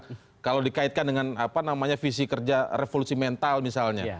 kalau dikaitkan dengan apa namanya visi kerja revolusi mental misalnya